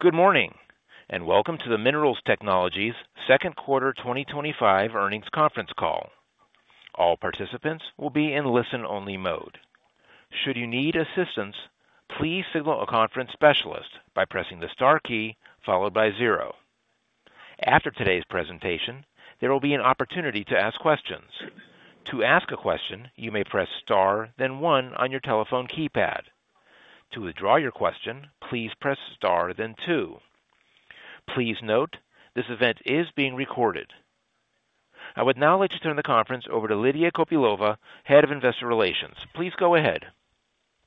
Good morning and welcome to the Minerals Technologies Second Quarter twenty twenty five Earnings Conference Call. All participants will be in listen only mode. After today's presentation, there will be an opportunity to ask questions. Please note this event is being recorded. I would now like to turn the conference over to Lydia Kopilova, Head of Investor Relations. Please go ahead.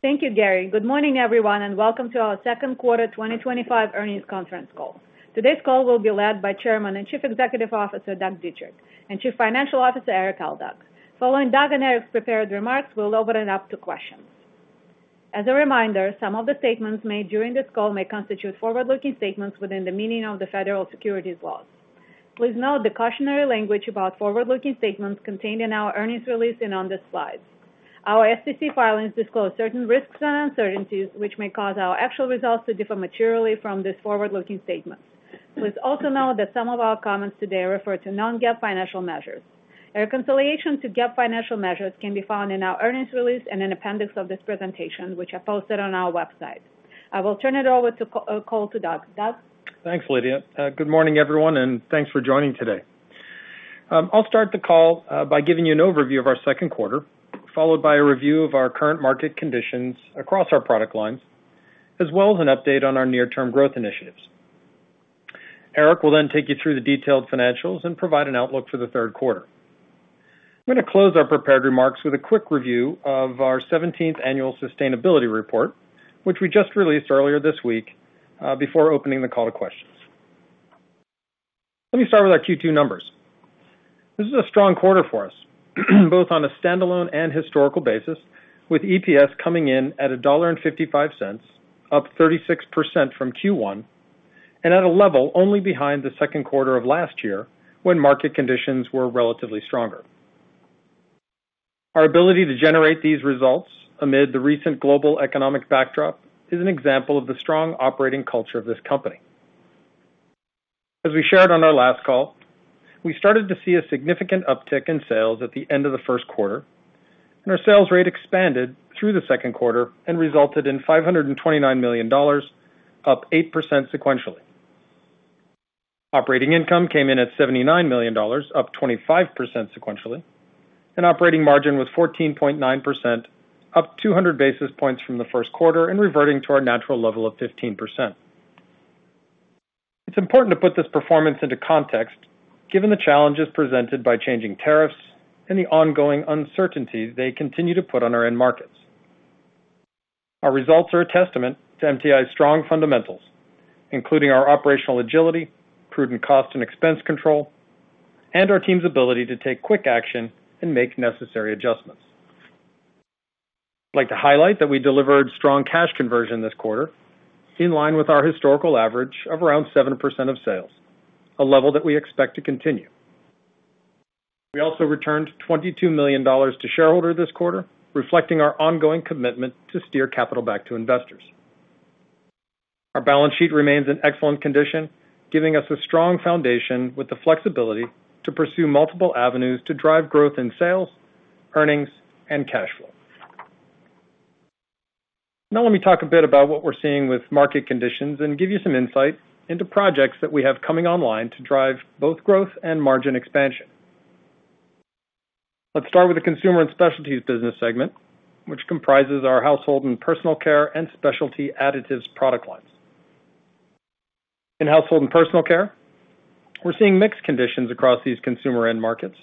Thank you, Gary. Good morning, everyone, and welcome to our second quarter twenty twenty five earnings conference call. Today's call will be led by Chairman and Chief Executive Officer, Doug Dietrich and Chief Financial Officer, Eric Aldag. Following Doug and Eric's prepared remarks, we'll open it up to questions. As a reminder, some of the statements made during this call may constitute forward looking statements within the meaning of the federal securities laws. Please note the cautionary language about forward looking statements contained in our earnings release and on the slides. Our SEC filings disclose certain risks and uncertainties, which may cause our actual results to differ materially from these forward looking statements. Please also note that some of our comments today refer to non GAAP financial measures. A reconciliation to GAAP financial measures can be found in our earnings release and in appendix of this presentation, which are posted on our website. I will turn it over to call to Doug. Doug? Thanks, Lydia. Good morning, everyone, and thanks for joining today. I'll start the call by giving you an overview of our second quarter, followed by a review of our current market conditions across our product lines as well as an update on our near term growth initiatives. Eric will then take you through the detailed financials and provide an outlook for the third quarter. I'm going to close our prepared remarks with a quick review of our seventeenth Annual Sustainability Report, which we just released earlier this week, before opening the call to questions. Let me start with our Q2 numbers. This is a strong quarter for us both on a stand alone and historical basis with EPS coming in at 1.55 up 36% from Q1 and at a level only behind the second quarter of last year when market conditions were relatively stronger. Our ability to generate these results amid the recent global economic backdrop is an example of the strong operating culture of this company. As we shared on our last call, we started to see a significant uptick in sales at the end of the first quarter, and our sales rate expanded through the second quarter and resulted in $529,000,000 up 8% sequentially. Operating income came in at $79,000,000 up 25% sequentially, and operating margin was 14.9%, up 200 basis points from the first quarter and reverting to our natural level of 15%. It's important to put this performance into context given the challenges presented by changing tariffs and the ongoing uncertainties they continue to put on our end markets. Our results are a testament to MTI's strong fundamentals, including our operational agility, prudent cost and expense control and our team's ability to take quick action and make necessary adjustments. I'd like to highlight that we delivered strong cash conversion this quarter, in line with our historical average of around 7% of sales, a level that we expect to continue. We also returned $22,000,000 to shareholders this quarter, reflecting our ongoing commitment to steer capital back to investors. Our balance sheet remains in excellent condition, giving us a strong foundation with the flexibility to pursue multiple avenues to drive growth in sales, earnings and cash flow. Now let me talk a bit about what we're seeing with market conditions and give you some insight into projects that we have coming online to drive both growth and margin expansion. Let's start with the Consumer and Specialties business segment, which comprises our Household and Personal Care and Specialty Additives product lines. In Household and Personal Care, we're seeing mixed conditions across these consumer end markets.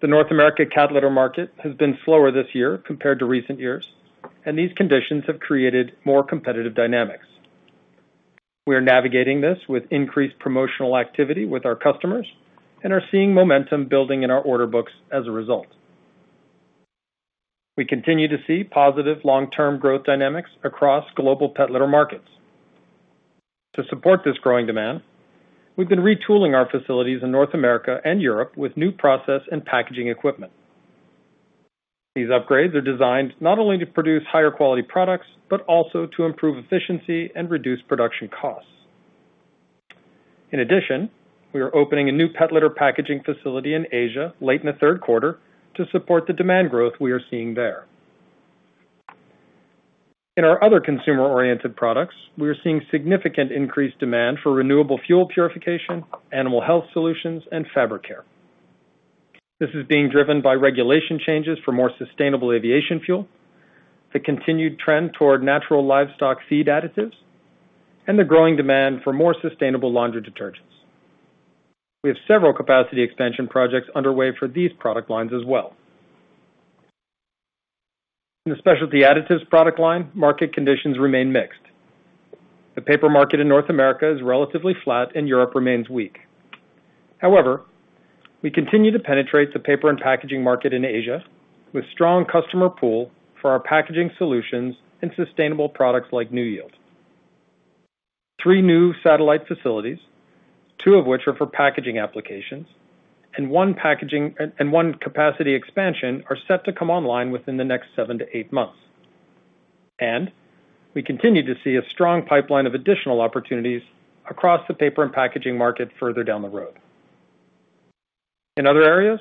The North America cat litter market has been slower this year compared to recent years and these conditions have created more competitive dynamics. We are navigating this with increased promotional activity with our customers and are seeing momentum building in our order books as a result. We continue to see positive long term growth dynamics across global pet litter markets. To support this growing demand, we've been retooling our facilities in North America and Europe with new process and packaging equipment. These upgrades are designed not only to produce higher quality products, but also to improve efficiency and reduce production costs. In addition, we are opening a new pet litter packaging facility in Asia late in the third quarter to support the demand growth we are seeing there. In our other consumer oriented products, we are seeing significant increased demand for renewable fuel purification, animal health solutions and Fabric Care. This is being driven by regulation changes for more sustainable aviation fuel, the continued trend toward natural livestock feed additives and the growing demand for more sustainable laundry detergents. We have several capacity expansion projects underway for these product lines as well. In the Specialty Additives product line, market conditions remain mixed. The paper market in North America is relatively flat and Europe remains weak. However, we continue to penetrate the paper and packaging market in Asia with strong customer pool for our packaging solutions and sustainable products like NewYield. Three new satellite facilities, two of which are for packaging applications and one packaging and one capacity expansion are set to come online within the next seven to eight months. And we continue to see a strong pipeline of additional opportunities across the Paper and Packaging market further down the road. In other areas,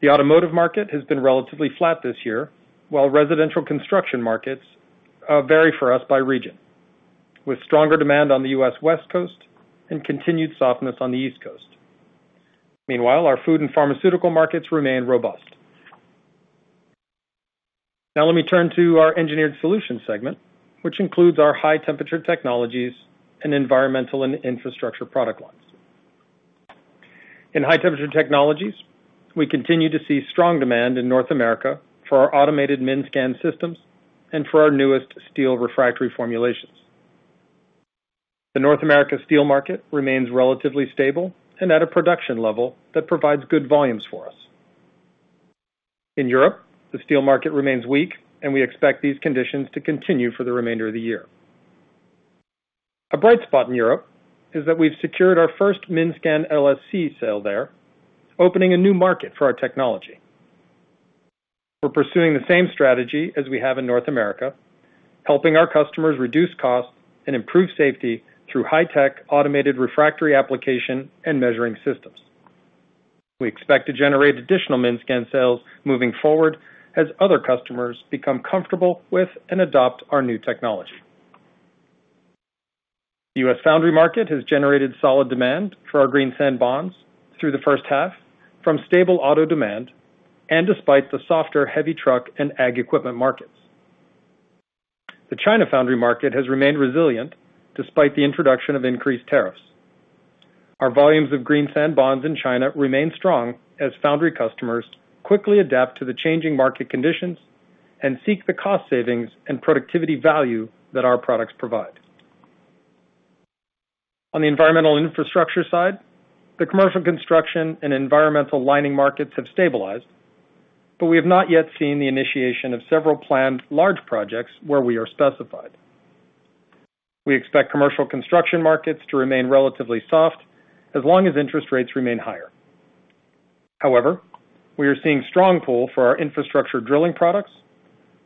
the automotive market has been relatively flat this year, while residential construction markets vary for us by region, with stronger demand on The U. S. West Coast and continued softness on the East Coast. Meanwhile, our Food and Pharmaceutical markets remain robust. Now let me turn to our Engineered Solutions segment, which includes our High Temperature Technologies and Environmental and Infrastructure product lines. In High Temperature Technologies, we continue to see strong demand in North America for our automated MINSCAN systems and for our newest steel refractory formulations. The North America steel market remains relatively stable and at a production level that provides good volumes for us. In Europe, the steel market remains weak and we expect these conditions to continue for the remainder of the year. A bright spot in Europe is that we've secured our first Minscan LSC sale there, opening a new market for our technology. We're pursuing the same strategy as we have in North America, helping our customers reduce costs and improve safety through high-tech automated refractory application and measuring systems. We expect to generate additional Minscan sales moving forward as other customers become comfortable with and adopt our new technology. The U. S. Foundry market has generated solid demand for our greensand bonds through the first half from stable auto demand and despite the softer heavy truck and ag equipment markets. The China foundry market has remained resilient despite the introduction of increased tariffs. Our volumes of green sand bonds in China remain strong as foundry customers quickly adapt to the changing market conditions and seek the cost savings and productivity value that our products provide. On the Environmental Infrastructure side, the commercial construction and environmental lining markets have stabilized, but we have not yet seen the initiation of several planned large projects where we are specified. We expect commercial construction markets to remain relatively soft as long as interest rates remain higher. However, we are seeing strong pull for our infrastructure drilling products,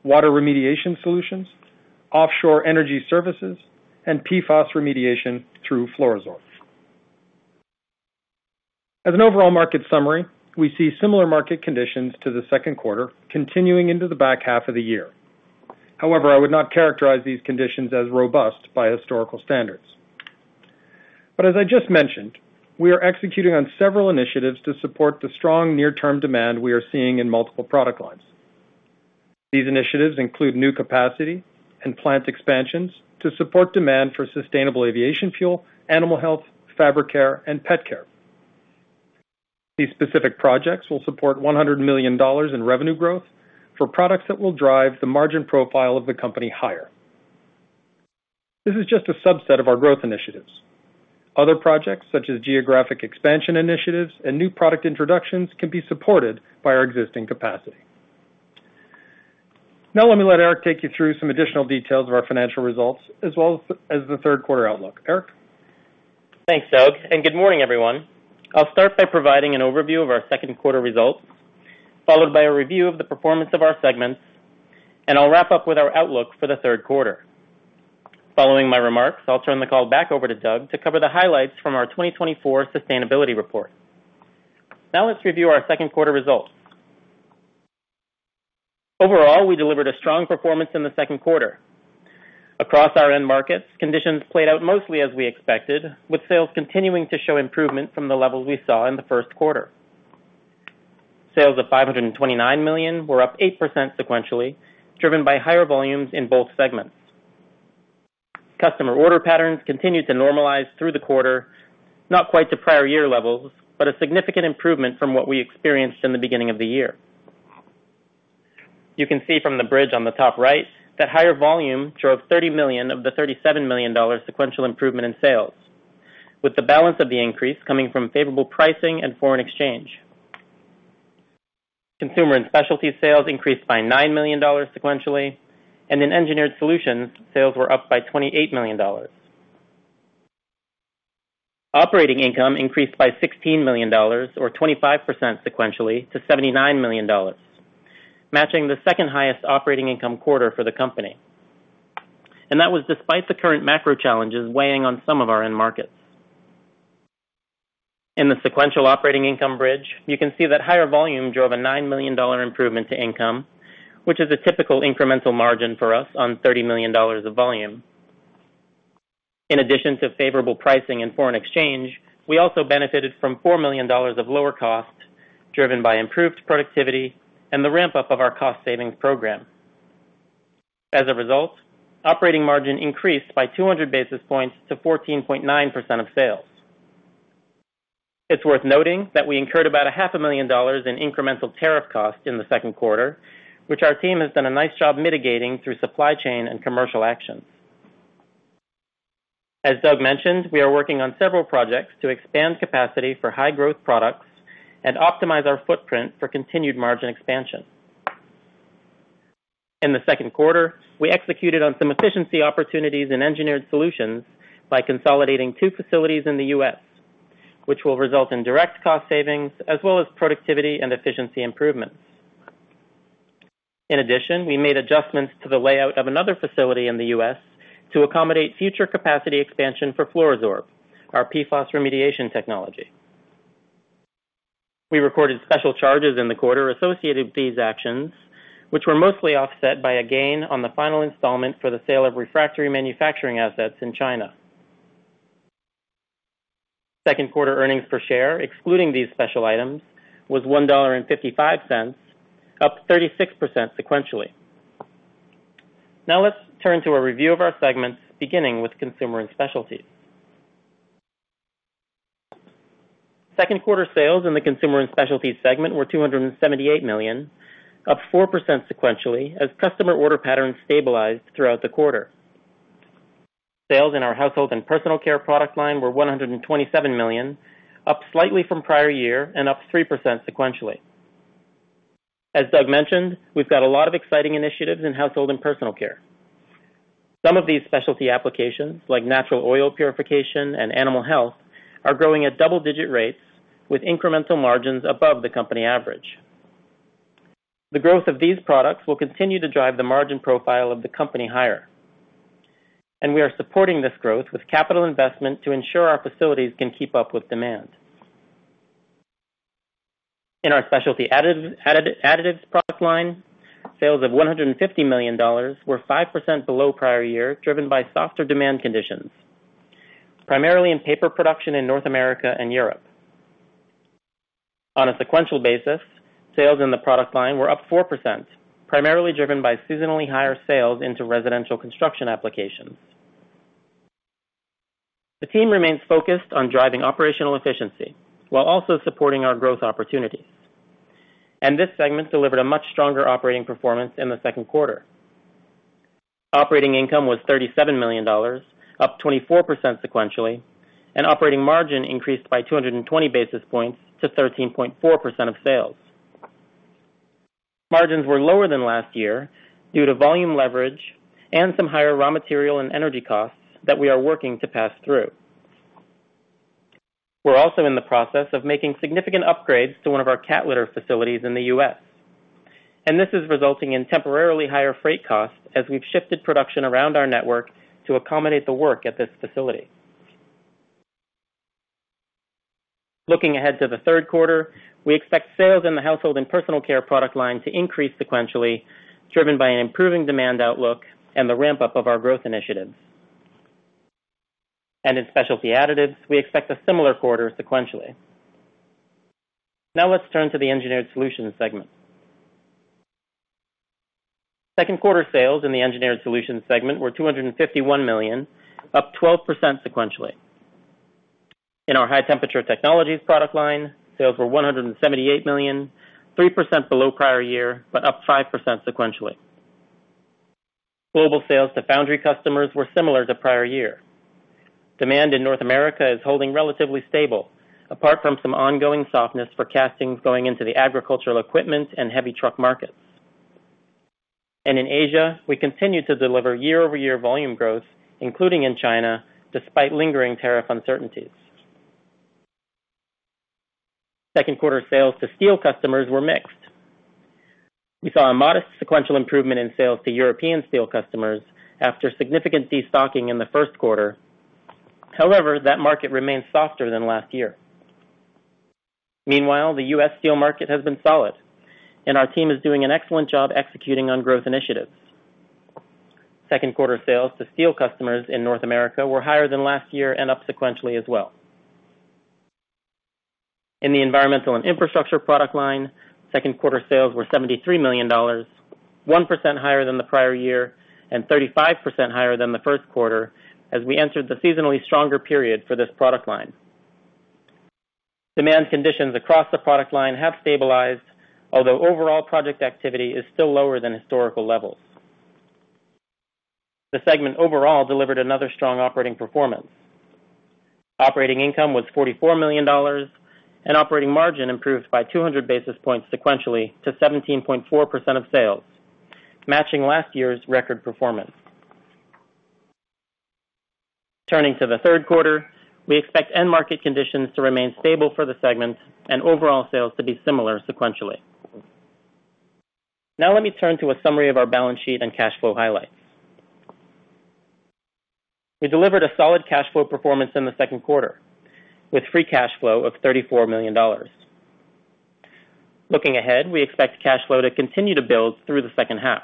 water remediation solutions, offshore energy services and PFAS remediation through FluoroZorf. As an overall market summary, we see similar market conditions to the second quarter continuing into the back half of the year. However, I would not characterize these conditions as robust by historical standards. But as I just mentioned, we are executing on several initiatives to support the strong near term demand we are seeing in multiple product lines. These initiatives include new capacity and plant expansions to support demand for sustainable aviation fuel, animal health, fabric care and pet care. These specific projects will support $100,000,000 in revenue growth for products that will drive the margin profile of the company higher. This is just a subset of our growth initiatives. Other projects such as geographic expansion initiatives and new product introductions can be supported by our existing capacity. Now let me let Eric take you through some additional details of our financial results as well as the third quarter outlook. Eric? Thanks, Doug, and good morning, everyone. I'll start by providing an overview of our second quarter results, followed by a review of the performance of our segments, and I'll wrap up with our outlook for the third quarter. Following my remarks, I'll turn the call back over to Doug to cover the highlights from our 2024 sustainability report. Now let's review our second quarter results. Overall, we delivered a strong performance in the second quarter. Across our end markets, conditions played out mostly as we expected, with sales continuing to show improvement from the levels we saw in the first quarter. Sales of $529,000,000 were up 8% sequentially, driven by higher volumes in both segments. Customer order patterns continued to normalize through the quarter, not quite to prior year levels, but a significant improvement from what we experienced in the beginning of the year. You can see from the bridge on the top right that higher volume drove $30,000,000 of the $37,000,000 sequential improvement in sales, with the balance of the increase coming from favorable pricing and foreign exchange. Consumer and Specialty sales increased by $9,000,000 sequentially, and in engineered solutions, sales were up by $28,000,000 Operating income increased by $16,000,000 or 25 percent sequentially to $79,000,000 matching the second highest operating income quarter for the company. And that was despite the current macro challenges weighing on some of our end markets. In the sequential operating income bridge, you can see that higher volume drove a $9,000,000 improvement to income, which is a typical incremental margin for us on $30,000,000 of volume. In addition to favorable pricing and foreign exchange, we also benefited from $4,000,000 of lower costs driven by improved productivity and the ramp up of our cost savings program. As a result, operating margin increased by 200 basis points to 14.9% of sales. It's worth noting that we incurred about $500,000 in incremental tariff costs in the second quarter, which our team has done a nice job mitigating through supply chain and commercial actions. As Doug mentioned, we are working on several projects to expand capacity for high growth products and optimize our footprint for continued margin expansion. In the second quarter, we executed on some efficiency opportunities in Engineered Solutions by consolidating two facilities in The U. S, which will result in direct cost savings as well as productivity and efficiency improvements. In addition, we made adjustments to the layout of another facility in The U. S. To accommodate future capacity expansion for Fluorozorb, our PFAS remediation technology. We recorded special charges in the quarter associated with these actions, which were mostly offset by a gain on the final installment for the sale of refractory manufacturing assets in China. Second quarter earnings per share, excluding these special items, was $1.55 up 36% sequentially. Now let's turn to a review of our segments, beginning with Consumer and Specialty. Second quarter sales in the Consumer and Specialty segment were $278,000,000 up 4% sequentially as customer order patterns stabilized throughout the quarter. Sales in our Household and Personal Care product line were $127,000,000 up slightly from prior year and up 3% sequentially. As Doug mentioned, we've got a lot of exciting initiatives in Household and Personal Care. Some of these specialty applications, natural oil purification and animal health, are growing at double digit rates with incremental margins above the company average. The growth of these products will continue to drive the margin profile of the company higher. And we are supporting this growth with capital investment to ensure our facilities can keep up with demand. In our Specialty Additives product line, sales of $150,000,000 were 5% below prior year, driven by softer demand conditions, primarily in paper production in North America and Europe. On a sequential basis, sales in the product line were up 4%, primarily driven by seasonally higher sales into residential construction applications. The team remains focused on driving operational efficiency while also supporting our growth opportunities. And this segment delivered a much stronger operating performance in the second quarter. Operating income was $37,000,000 up 24% sequentially, and operating margin increased by two twenty basis points to 13.4% of sales. Margins were lower than last year due to volume leverage and some higher raw material and energy costs that we are working to pass through. We're also in the process of making significant upgrades to one of our cat litter facilities in The U. S. And this is resulting in temporarily higher freight costs as we've shifted production around our network to accommodate the work at this facility. Looking ahead to the third quarter, we expect sales in the Household and Personal Care product line to increase sequentially, driven by an improving demand outlook and the ramp up of our growth initiatives. And in Specialty Additives, we expect a similar quarter sequentially. Now let's turn to the Engineered Solutions segment. Second quarter sales in the Engineered Solutions segment were $251,000,000 up 12% sequentially. In our High Temperature Technologies product line, sales were $178,000,000 3% below prior year but up 5% sequentially. Global sales to foundry customers were similar to prior year. Demand in North America is holding relatively stable apart from some ongoing softness for castings going into the agricultural equipment and heavy truck markets. And in Asia, we continue to deliver year over year volume growth, including in China, despite lingering tariff uncertainties. Second quarter sales to steel customers were mixed. We saw a modest sequential improvement in sales to European steel customers after significant destocking in the first quarter. However, that market remains softer than last year. Meanwhile, The U. S. Steel market has been solid, and our team is doing an excellent job executing on growth initiatives. Second quarter sales to steel customers in North America were higher than last year and up sequentially as well. In the Environmental and Infrastructure product line, second quarter sales were $73,000,000 1% higher than the prior year and 35% higher than the first quarter as we entered the seasonally stronger period for this product line. Demand conditions across the product line have stabilized, although overall project activity is still lower than historical levels. Segment overall delivered another strong operating performance. Operating income was $44,000,000 and operating margin improved by 200 basis points sequentially to 17.4% of sales, matching last year's record performance. Turning to the third quarter. We expect end market conditions to remain stable for the segment and overall sales to be similar sequentially. Now let me turn to a summary of our balance sheet and cash flow highlights. We delivered a solid cash flow performance in the second quarter with free cash flow of $34,000,000 Looking ahead, we expect cash flow to continue to build through the second half.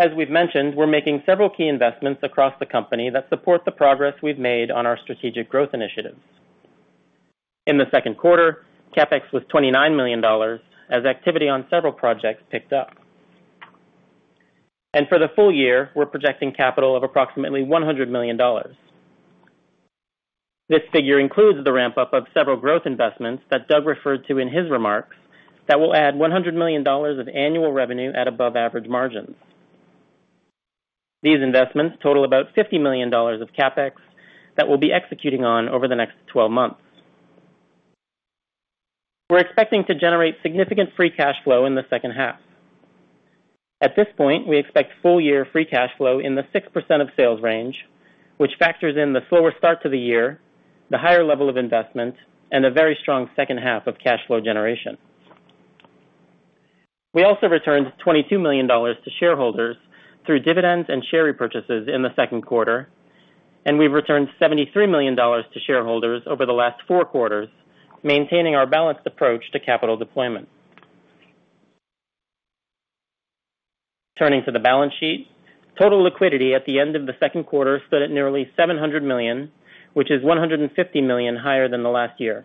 As we've mentioned, we're making several key investments across the company that support the progress we've made on our strategic growth initiatives. In the second quarter, CapEx was $29,000,000 as activity on several projects picked up. And for the full year, we're projecting capital of approximately $100,000,000 This figure includes the ramp up of several growth investments that Doug referred to in his remarks that will add $100,000,000 of annual revenue at above average margins. These investments total about $50,000,000 of CapEx that we'll be executing on over the next twelve months. We're expecting to generate significant free cash flow in the second half. At this point, we expect full year free cash flow in the 6% of sales range, which factors in the slower start to the year, the higher level of investment and a very strong second half of cash flow generation. We also returned $22,000,000 to shareholders through dividends and share repurchases in the second quarter, and we've returned $73,000,000 to shareholders over the last four quarters, maintaining our balanced approach to capital deployment. Turning to the balance sheet. Total liquidity at the end of the second quarter stood at nearly $700,000,000 which is $150,000,000 higher than the last year.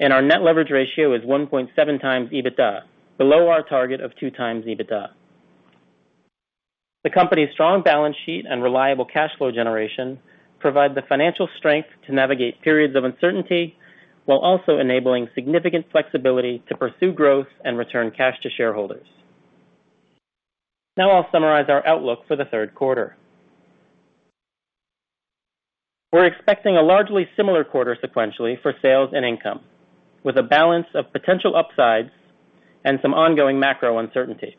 And our net leverage ratio is 1.7 times EBITDA, below our target of two times EBITDA. The company's strong balance sheet and reliable cash flow generation provide the financial strength to navigate periods of uncertainty while also enabling significant flexibility to pursue growth and return cash to shareholders. Now I'll summarize our outlook for the third quarter. We're expecting a largely similar quarter sequentially for sales and income with a balance of potential upsides and some ongoing macro uncertainty.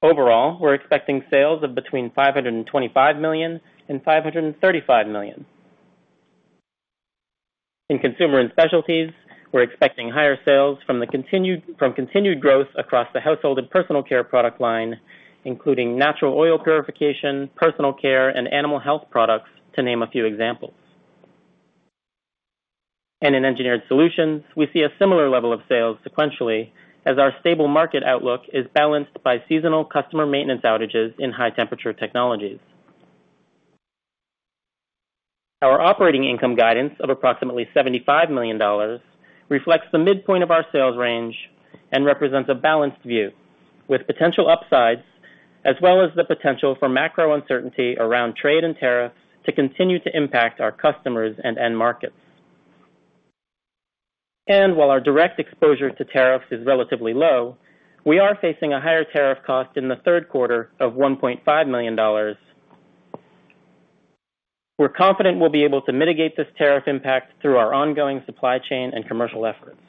Overall, we're expecting sales of between $525,000,000 and $535,000,000 In Consumer and Specialties, we're expecting higher sales from continued growth across the Household and Personal Care product line, including natural oil purification, personal care and animal health products, to name a few examples. And in Engineered Solutions, we see a similar level of sales sequentially as our stable market outlook is balanced by seasonal customer maintenance outages in high temperature technologies. Our operating income guidance of approximately $75,000,000 reflects the midpoint of our sales range and represents a balanced view with potential upsides as well as the potential for macro uncertainty around trade and tariffs to continue to impact our customers and end markets. And while our direct exposure to tariffs is relatively low, we are facing a higher tariff cost in the third quarter of $1,500,000 We're confident we'll be able to mitigate this tariff impact through our ongoing supply chain and commercial efforts.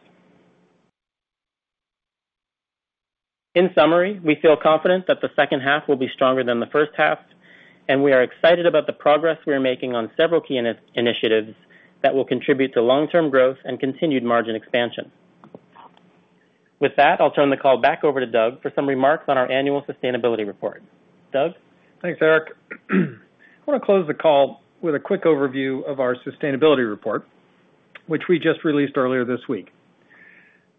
In summary, we feel confident that the second half will be stronger than the first half, and we are excited about the progress we are making on several key initiatives that will contribute to long term growth and continued margin expansion. With that, I'll turn the call back over to Doug for some remarks on our annual sustainability report. Doug? Thanks, Eric. I want to close the call with a quick overview of our sustainability report, which we just released earlier this week.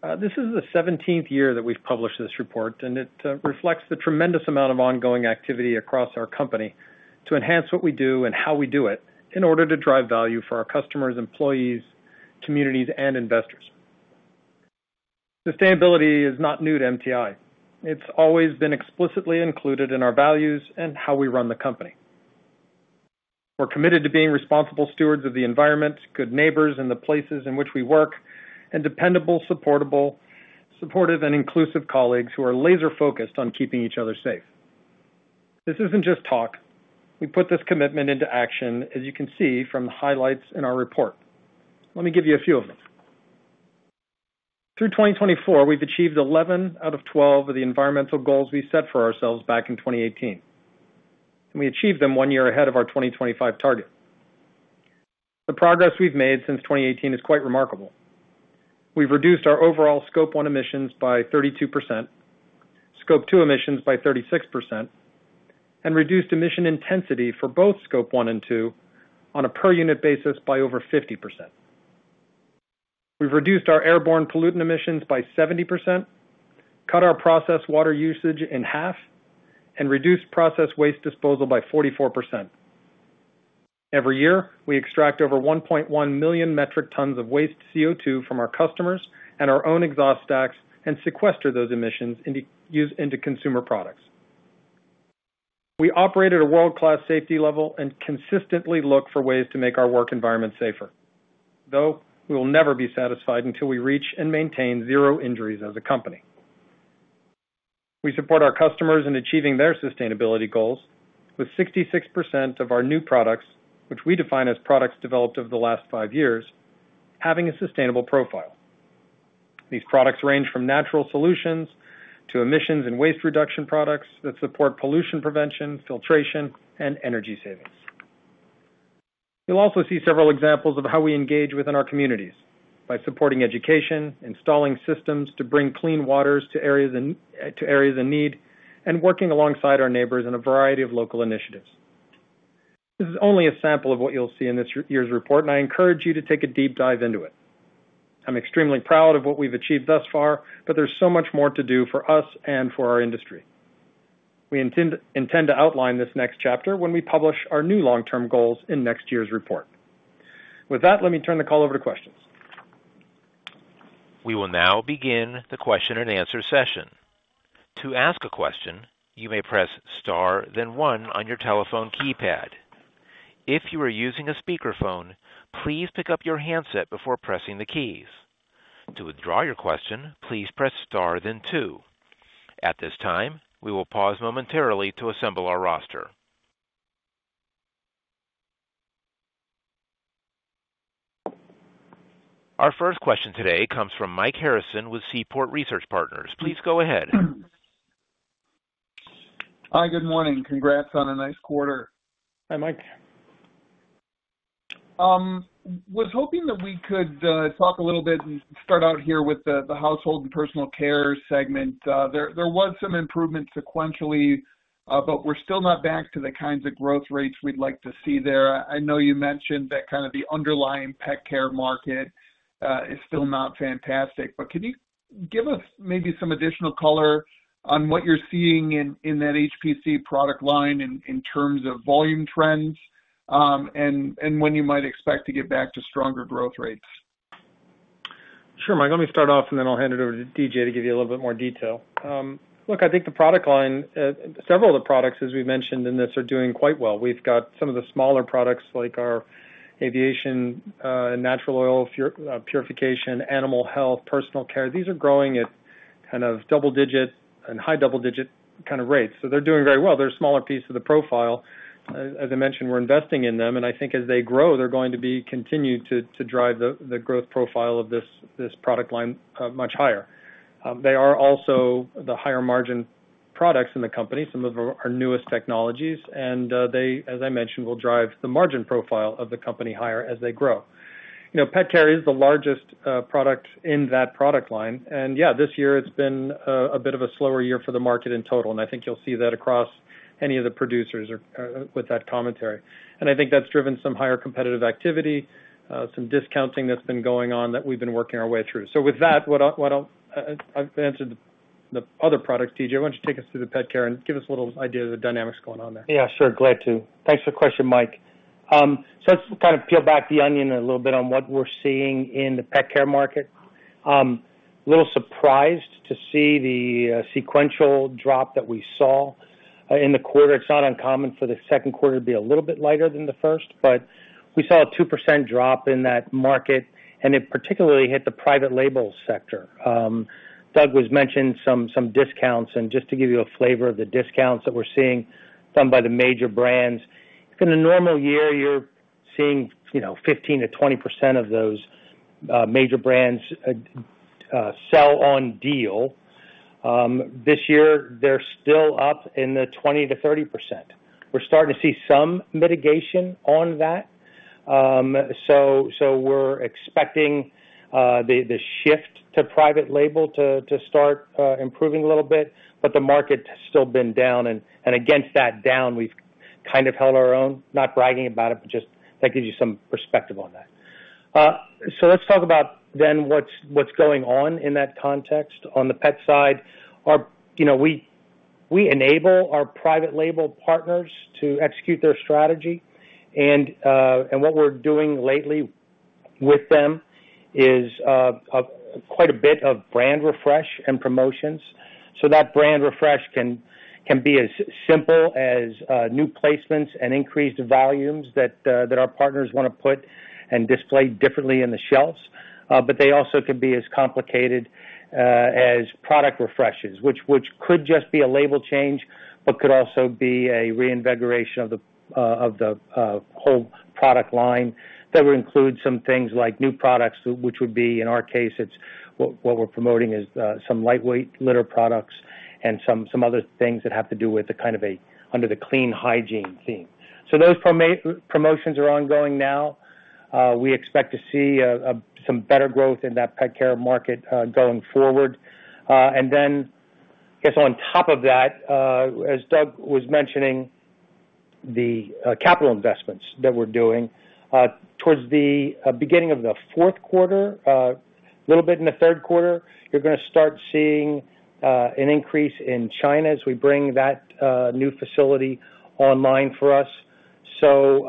This is the seventeenth year that we've published this report, and it reflects the tremendous amount of ongoing activity across our company to enhance what we do and how we do it in order to drive value for our customers, employees, communities and investors. Sustainability is not new to MTI. It's always been explicitly included in our values and how we run the company. We're committed to being responsible stewards of the environment, good neighbors in the places in which we work and dependable, supportable supportive and inclusive colleagues who are laser focused on keeping each other safe. This isn't just talk. We put this commitment into action as you can see from the highlights in our report. Let me give you a few of them. Through 2024, we've achieved 11 out of 12 of the environmental goals we set for ourselves back in 2018, and we achieved them one year ahead of our 2025 target. The progress we've made since 2018 is quite remarkable. We've reduced our overall Scope one emissions by 32%, Scope two emissions by 36 and reduced emission intensity for both Scope one and two on a per unit basis by over 50%. We've reduced our airborne pollutant emissions by 70%, cut our process water usage in half and reduced process waste disposal by 44%. Every year, we extract over 1,100,000 metric tons of waste CO2 from our customers and our own exhaust stacks and sequester those emissions used into consumer products. We operate at a world class safety level and consistently look for ways to make our work environment safer, though we will never be satisfied until we reach and maintain zero injuries as a company. We support our customers in achieving their sustainability goals with 66% of our new products, which we define as products developed over the last five years, having a sustainable profile. These products range from natural solutions to emissions and waste reduction products that support pollution prevention, filtration and energy savings. You'll also see several examples of how we engage within our communities by supporting education, installing systems to bring clean waters to areas in need and working alongside our neighbors in a variety of local initiatives. This is only a sample of what you'll see in this year's report, and I encourage you to take a deep dive into it. I'm extremely proud of what we've achieved thus far, but there's so much more to do for us and for our industry. We intend to outline this next chapter when we publish our new long term goals in next year's report. With that, let me turn the call over to questions. We will now begin the question and answer session. Our first question today comes from Mike Harrison with Seaport Research Partners. Please go ahead. Hi, good morning. Congrats on a nice quarter. Hi, Mike. I was hoping that we could talk a little bit and start out here with the Household and Personal Care segment. There was some improvement sequentially, but we're still not back to the kinds of growth rates we'd like to see there. I know you mentioned that kind of the underlying pet care market is still not fantastic. But can you give us maybe some additional color on what you're seeing in that HPC product line in terms of volume trends and when you might expect to get back to stronger growth rates? Sure Mike. Let me start off and then I'll hand it over to D. J. To give you a little bit more detail. Look, think the product line several of the products as we mentioned in this are doing quite well. We've got some of the smaller products like our aviation, natural oil, purification, animal health, personal care. These are growing at kind of double digit and high double digit kind of rates. So they're doing very well. They're smaller piece of the profile. As I mentioned, we're investing in them. And I think as they grow they're going to be continued to drive the growth profile of this product line much higher. They are also the higher margin products in the company, some of our newest technologies. And, they as I mentioned will drive the margin profile of the company higher as they grow. PetCare is the largest product in that product line. And yes, this year it's been a bit of a slower year for the market in total. And I think you'll see that across any of the producers with that commentary. And I think that's driven some higher competitive activity, some discounting that's been going on that we've been working our way through. So with that, what I'll I've answered the other products. DJ, why don't you take us through the pet care and give us a little idea of the dynamics going on there? Yes, sure. Glad to. Thanks for the question, Mike. So let's kind of peel back the onion a little bit on what we're seeing in the pet care market. A little surprised to see the sequential drop that we saw in the quarter. It's not uncommon for the second quarter to be a little bit lighter than the first, but we saw a 2% drop in that market and it particularly hit the private label sector. Doug was mentioning some discounts and just to give you a flavor of the discounts that we're seeing done by the major brands. In a normal year, you're seeing 15% to 20% of those major brands sell on deal. This year, they're still up in the 20% to 30%. We're starting to see some mitigation on that. So we're expecting the shift to private label to start improving a little bit, but the market has still been down. Against that down, we've kind of held our own, not bragging about it, but just that gives you some perspective on that. So let's talk about then what's going on in that context. On the Pet side, we enable our private label partners to execute their strategy. And what we're doing lately with them is quite a bit of brand refresh and promotions. So that brand refresh can be as simple as new placements and increased volumes that our partners want to put and display differently in the shelves. But they also could be as complicated as product refreshes, which could just be a label change, but could also be a reinvigoration of the whole product line that would include some things like new products, which would be in our case, it's what we're promoting is some lightweight litter products and some other things that have to do with the kind of a under the clean hygiene theme. So those promotions are ongoing now. We expect to see some better growth in that pet care market going forward. And then, I guess, top of that, as Doug was mentioning, the capital investments that we're doing. Towards the beginning of the fourth quarter, a little bit in the third quarter, you're going to start seeing an increase in China as we bring that new facility online for us. So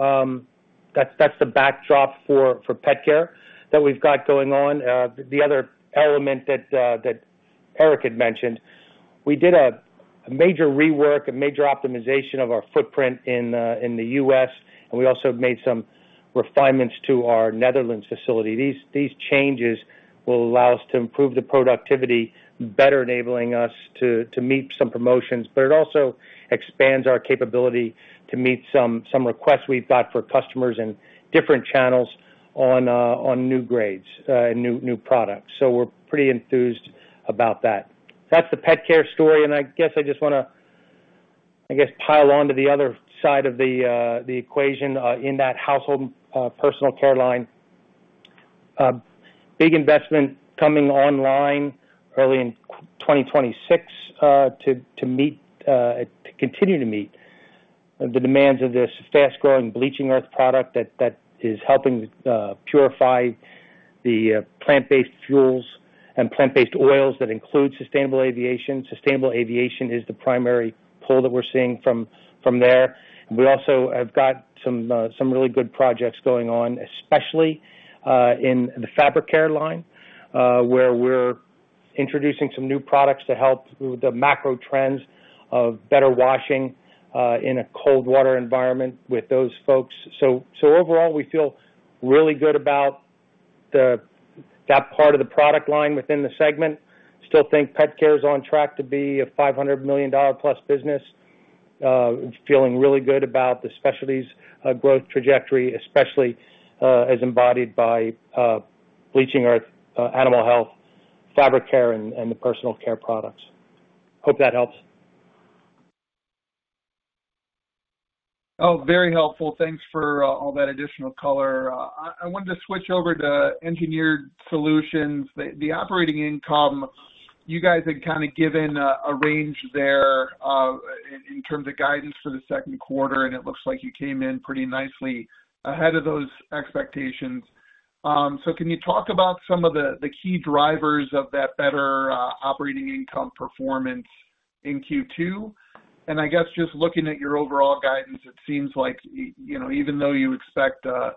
that's the backdrop for pet care that we've got going on. The other element that Eric had mentioned, we did a major rework, a major optimization of our footprint in The U. S. And we also made some refinements to our Netherlands facility. These changes will allow us to improve the productivity better enabling us to meet some promotions, but it also expands our capability to meet some requests we've got for customers in different channels on new grades, new products. So we're pretty enthused about that. That's the pet care story. And I guess I just want I guess, pile on to the other side of the equation in that household and personal care line. Big investment coming online early in 2026 to meet continue to meet the demands of this fast growing bleaching earth product that is helping purify the plant based fuels and plant based oils that include sustainable aviation. Sustainable aviation is the primary pull that we're seeing from there. We also have got some really good projects going on, especially in the Fabric Care line, where we're introducing some new products to help with the macro trends of better washing in a cold water environment with those folks. So overall, we feel really good about that part of the product line within the segment. Still think Pet Care is on track to be a $500,000,000 plus business, feeling really good about the specialties growth trajectory, especially as embodied by Bleaching Earth, Animal Health, Fabric Care and the Personal Care products. Hope that helps. Very helpful. Thanks for all that additional color. I wanted to switch over to Engineered Solutions. The operating income, you guys had kind of given a range there in terms of guidance for the second quarter, and it looks like you came in pretty nicely ahead of those expectations. So can you talk about some of the key drivers of that better operating income performance in Q2? And I guess just looking at your overall guidance, it seems like even though you expect a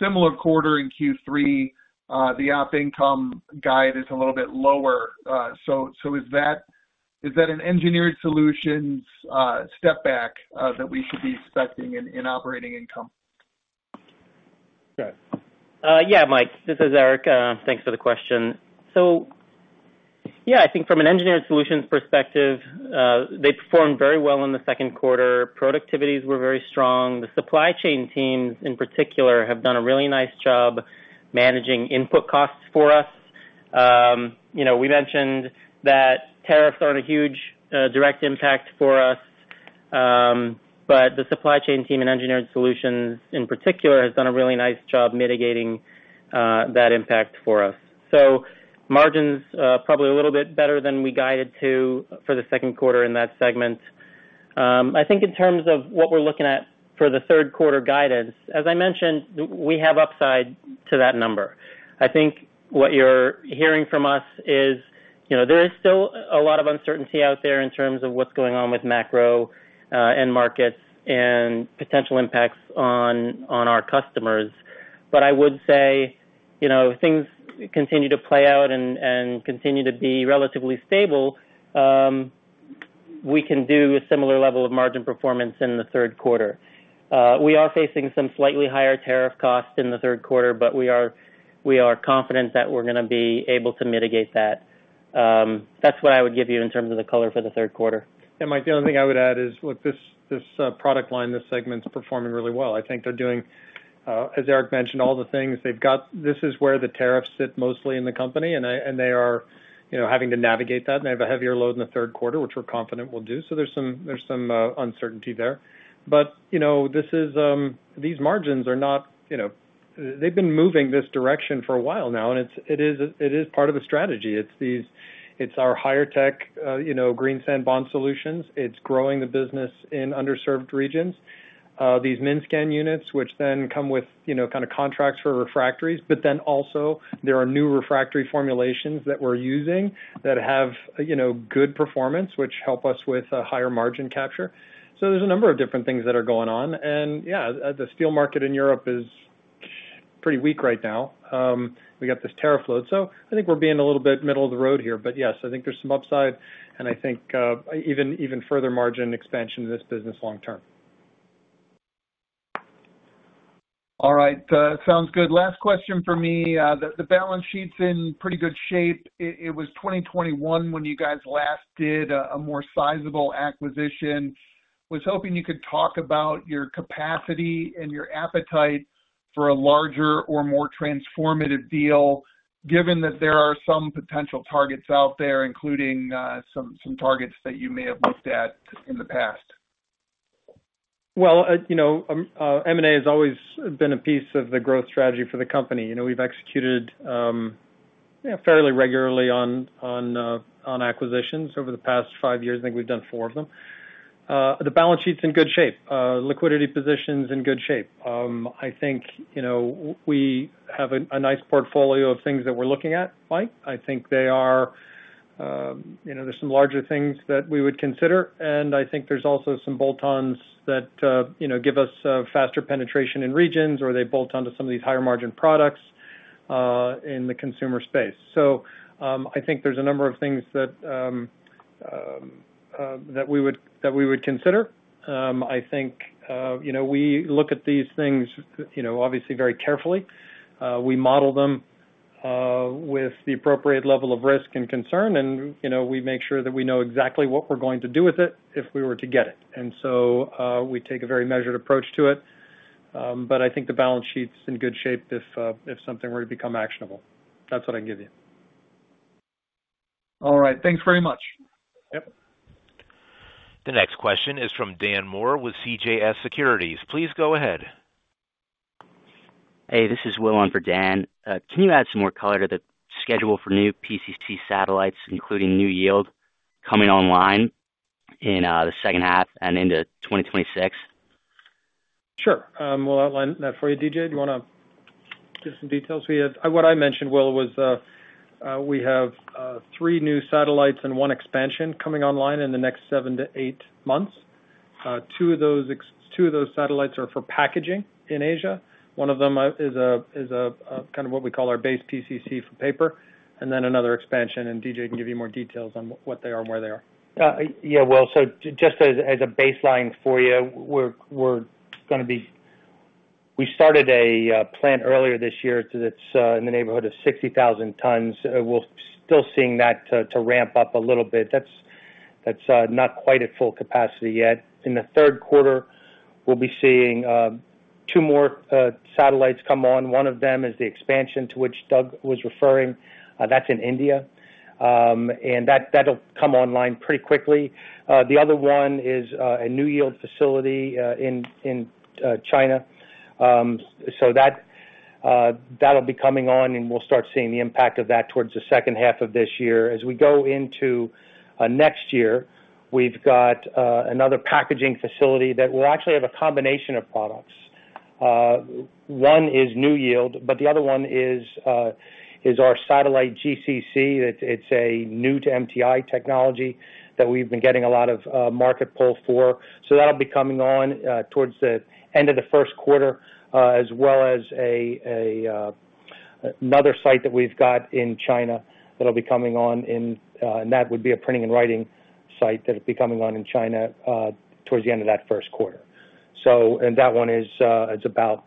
similar quarter in Q3, the op income guide is a little bit lower. So is that an engineered solutions step back that we should be expecting in operating income? Yes, Mike. This is Eric. Thanks for the question. So yes, I think from an engineered solutions perspective, they performed very well in the second quarter. Productivities were very strong. The supply chain teams, in particular, have done a really nice job managing input costs for us. We mentioned that tariffs aren't a huge direct impact for us, but the supply chain team in Engineered Solutions, in particular, has done a really nice job mitigating that impact for us. So margins, probably a little bit better than we guided to for the second quarter in that segment. I think in terms of what we're looking at for the third quarter guidance, as I mentioned, we have upside to that number. I think what you're hearing from us is there is still a lot of uncertainty out there in terms of what's going on with macro end markets and potential impacts on our customers. But I would say you know, if things continue to play out and and continue to be relatively stable, we can do a similar level of margin performance in the third quarter. We are facing some slightly higher tariff costs in the third quarter, but we are we are confident that we're going to be able to mitigate that. That's what I would give you in terms of the color for the third quarter. Yes, Mike, the only thing I would add is, look, this product line, this segment is performing really well. I think they're doing, as Eric mentioned, all the things they've got this is where the tariffs sit mostly in the company and they are having to navigate that and they have a heavier load in the third quarter which we're confident we'll do. So there's some uncertainty there. But this is these margins are not they've been moving this direction for a while now and it is part of the strategy. It's these it's our higher tech greensand bond solutions. It's growing the business in underserved regions. These Minscan units which then come with kind of contracts for refractories. But then also there are new refractory formulations that we're using that have good performance which help us with a higher margin capture. So there's a number of different things that are going on. And yes, the steel market in Europe is pretty weak right now. We got this tariff load. So I think we're being a little bit middle of the road here. But yes, I think there's some upside and I think even further margin expansion in this business long term. All right. Sounds good. Last question for me. The balance sheet is in pretty good shape. It was 2021 when you guys last did a more sizable acquisition. I was hoping you could talk about your capacity and your appetite for a larger or more transformative deal, given that there are some potential targets out there, including some targets that you may have looked at in the past. Well, M and A has always been a piece of the growth strategy for the company. We've executed fairly regularly on acquisitions over the past five years. Think we've done four of them. The balance sheet is in good shape. Liquidity position is in good shape. I think we have a nice portfolio of things that we're looking at Mike. I think they are there's some larger things that we would consider. And I think there's also some bolt ons that give us faster penetration in regions or they bolt on to some of these higher margin products, in the consumer space. So, I think there's a number of things that we would consider. I think, we look at these things obviously very carefully. We model them, with the appropriate level of risk and concern and we make sure that we know exactly what we're going to do with it if we were to get it. And so, we take a very measured approach to it. But I think the balance sheet is in good shape if something were to become actionable. That's what I can give you. All right. Thanks very much. The next question is from Dan Moore with CJS Securities. Please go ahead. Hey, this is Will on for Dan. Can you add some more color to the schedule for new PCC satellites including new yield coming online in the second half and into 2026? Sure. We'll outline that for you. DJ, do you want to give some details? I mentioned Will was we have three new satellites and one expansion coming online in the next seven to eight months. Two of those satellites are for packaging in Asia. One of them is kind of what we call our base PCC for paper and then another expansion and D. J. Can give you more details on what they are and where they are. Yes. Well, so just as a baseline for you, we're going to be we started a plant earlier this year that's in the neighborhood of 60,000 tons. We're still seeing that to ramp up a little bit. That's not quite at full capacity yet. In the third quarter, we'll be seeing two more satellites come on. One of them is the expansion to which Doug was referring. That's in India. And that will come online pretty quickly. The other one is a new yield facility in China. So that will be coming on and we'll start seeing the impact of that towards the second half of this year. As we go into next year, we've got another packaging facility that will actually have a combination of products. One is NewYield, but the other one is our satellite GCC. It's a new to MTI technology that we've been getting a lot of market pull for. So that will be coming on towards the end of the first quarter as well as another site that we've got in China that will be coming on in and that would be a printing and writing site that will be coming on in China towards the end of that first quarter. So and that one is it's about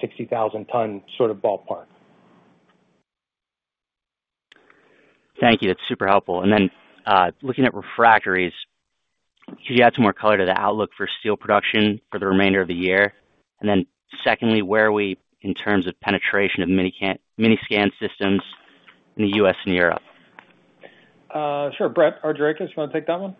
60,000 ton sort of ballpark. Thank you. That's super helpful. And then looking at Refractories, could you add some more color to the outlook for steel production for the remainder of the year? And then secondly, where are we in terms of penetration of scan systems in The U. S. And Europe? Sure. Brett Arjakos, you want to take that one?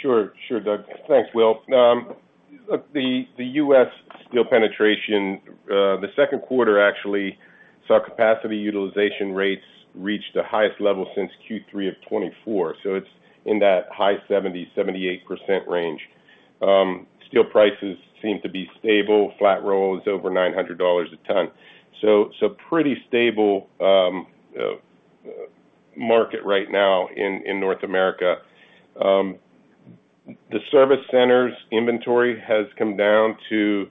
Sure, sure, Doug. Thanks, Will. The U. S. Steel penetration, the second quarter actually saw capacity utilization rates reached the highest level since Q3 of twenty twenty four. So it's in that high 70%, 78 range. Steel prices seem to be stable flat rolls over $900 a ton. So pretty stable market right now in North America. The service centers inventory has come down to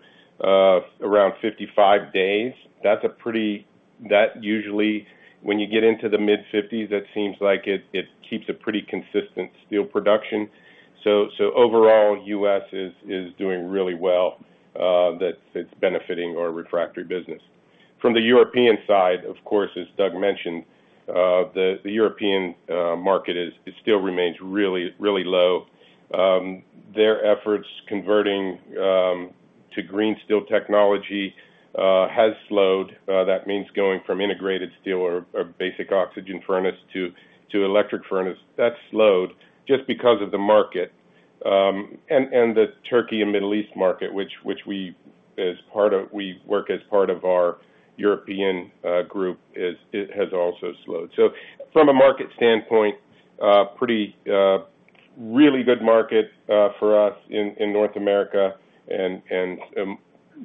around fifty five days. That's a pretty that usually when you get into the mid-50s that seems like it keeps a pretty consistent steel production. So, overall U. S. Is doing really well that it's benefiting our refractory business. From the European side, of course, Doug mentioned, the European market is still remains really, really low. Their efforts converting to green steel technology has slowed. That means going from integrated steel or basic oxygen furnace to electric furnace that slowed just because of the market. And the Turkey and Middle East market which we as part of we work as part of our European group has also slowed. So from a market standpoint, pretty really good market for us in North America and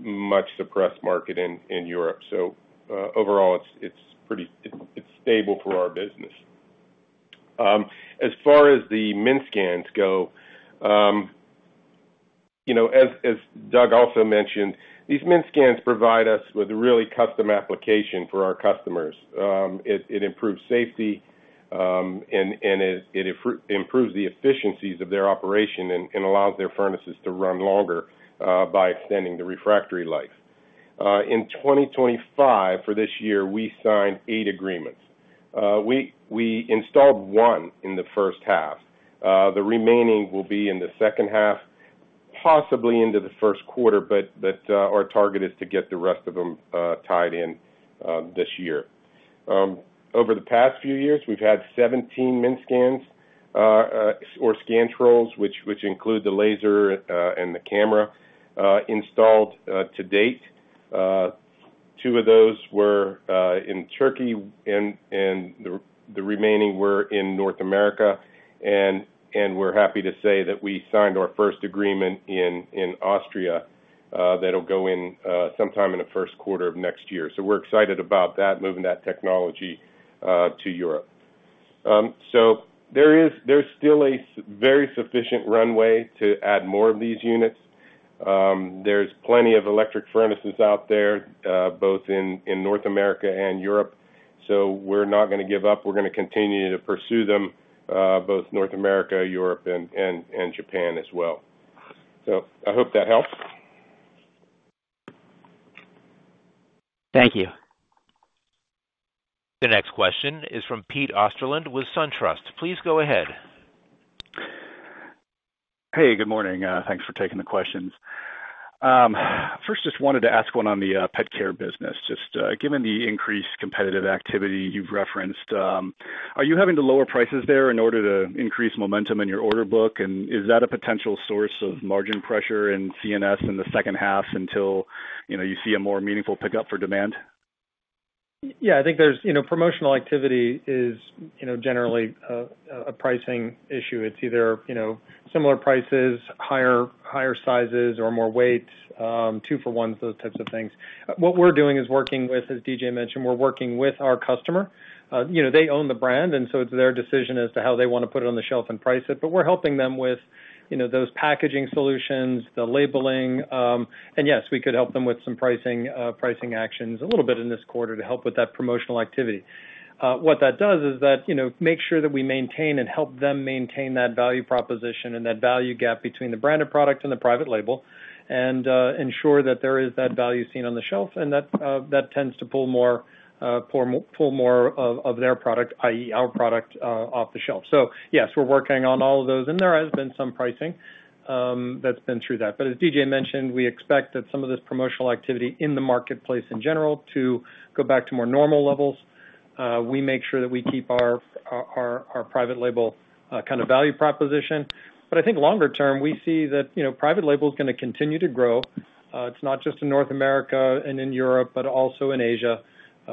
much suppressed market in Europe. So overall, it's pretty it's stable for our business. As far as the MINSCANs go, as Doug also mentioned, these MINSCANs provide us with a really custom application for our customers. It improves safety and it improves the efficiencies of their operation and allows their furnaces to run longer by extending the refractory life. In 2025 for this year, we signed eight agreements. We installed one in the first half. The remaining will be in the second half possibly into the first quarter, but our target is to get the rest of them tied in this year. Over the past few years, we've had 17 MINS scans or scan trolls, which include the laser and the camera installed to date. Two of those were in Turkey and the remaining were in North America. And we're happy to say that we signed our first agreement in Austria that will go in sometime in the first quarter of next year. So we're excited about that moving that technology to Europe. So, there is still a very sufficient runway to add more of these units. There's plenty of electric furnaces out there both in North America and Europe. So we're not going to give up. We're going to continue to pursue them both North America, Europe and Japan as well. So I hope that helps. Thank you. The next question is from Pete Osterland with SunTrust. Please go ahead. Hey, good morning. Thanks for taking the questions. First, just wanted to ask one on the pet care business. Just given the increased competitive activity you've referenced, are you having to lower prices there in order to increase momentum in your order book? And is that a potential source of margin pressure in C and S in the second half until you see a more meaningful pickup for demand? Yes. Think there's promotional activity is generally a pricing issue. It's either similar prices, higher sizes or more weight, two for ones those types of things. What we're doing is working with as D. J. Mentioned, we're working with our customer. They own the brand and so it's their decision as to how they want to put it on the shelf and price it. But we're helping them with those packaging solutions, the labeling. And yes, we could help them with some pricing actions a little bit in this quarter to help with that promotional activity. What that does is that make sure that we maintain and help them maintain that value proposition and that value gap between the branded product and the private label and ensure that there is that value seen on the shelf and that tends to pull more of their product I. E. Our product off the shelf. So yes, we're working on all of those. And there has been some pricing that's been through that. But as D. J. Mentioned, we expect that some of this promotional activity in the marketplace in general to go back to more normal levels. We make sure that we keep our private label kind of value proposition. But I think longer term we see that private label is going to continue to grow. It's not just in North America and in Europe but also in Asia.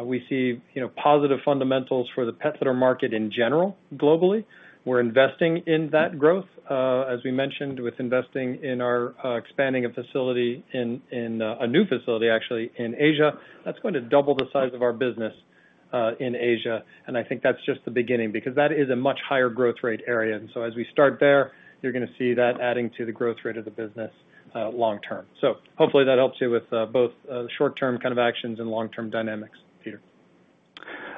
We see positive fundamentals for the pet litter market in general globally. We're investing in that growth, as we mentioned with investing in our expanding a facility in a new facility actually in Asia. That's going to double the size of our business, in Asia. And I think that's just the beginning because that is a much higher growth rate area. And so as we start there, you're going to see that adding to the growth rate of the business, long term. So hopefully that helps you with both short term kind of actions and long term dynamics,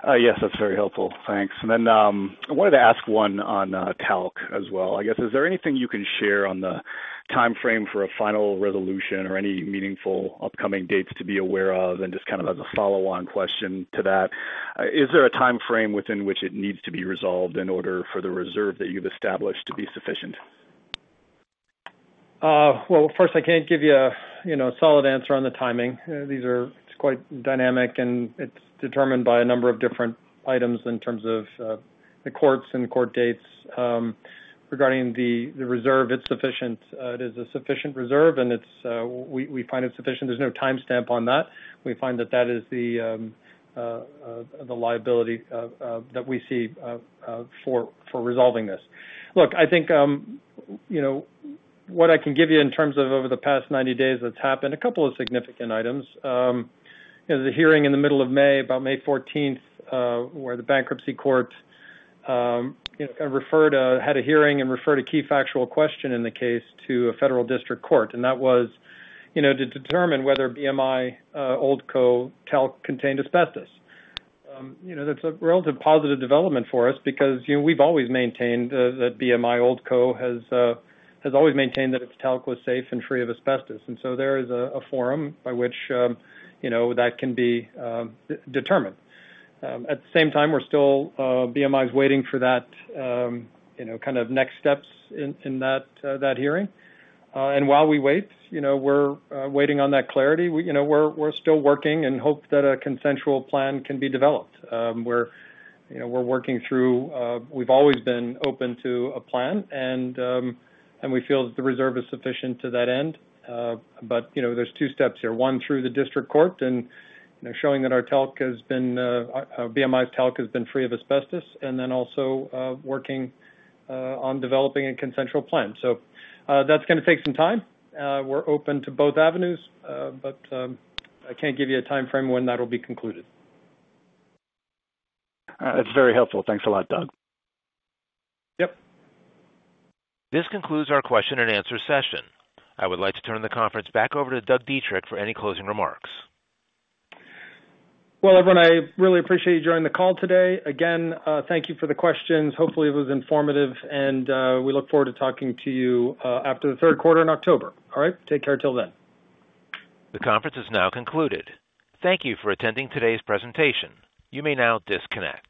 Peter. Yes. That's very helpful. Thanks. And then, I wanted to ask one on talc as well. I guess is there anything you can share on the timeframe for a final resolution or any meaningful upcoming dates to be aware of? And just kind of as a follow on question to that, is there a time frame within which it needs to be resolved in order for the reserve that you've established to be sufficient? Well, first, I can't give you a solid answer on the timing. These are it's quite dynamic, and it's determined by a number of different items in terms of the courts and court dates. Regarding the reserve, it's sufficient. It is a sufficient reserve and it's we find it sufficient. There's no time stamp on that. We find that that is the liability that we see for resolving this. Look, I think, what I can give you in terms of over the past ninety days that's happened, a couple of significant items. The hearing in the May, about May 14, where the bankruptcy court referred had a hearing and referred a key factual question in the case to a federal district court. And that was to determine whether BMI, Old Co, talc contained asbestos. That's a relative positive development for us because we've always maintained that BMI Old Co has always maintained that Vitalik was safe and free of asbestos. And so there is a forum by which that can be determined. At the same time, we're still BMI is waiting for that kind of next steps in that hearing. And while we wait, we're waiting on that clarity. We're still working and hope that a consensual plan can be developed. We're working through we've always been open to a plan and we feel that the reserve is sufficient to that end. But there's two steps here. One, through the district court and showing that our talc has been BMI's talc has been free of asbestos and then also working on developing a consensual plan. So, that's going to take some time. We're open to both avenues, but I can't give you a time frame when that will be concluded. That's very helpful. Thanks a lot Doug. Yes. This concludes our question and answer session. I would like to turn the conference back over to Doug Dietrich for any closing remarks. Well, everyone, I really appreciate you joining the call today. Again, thank you for the questions. Hopefully, it was informative and we look forward to talking to you after the third quarter in October. All right. Take care till then. The conference has now concluded. Thank you for attending today's presentation. You may now disconnect.